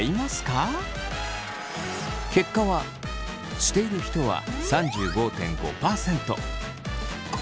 結果はしている人は３５．５％。